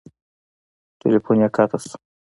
تیلفون یې قطع شو.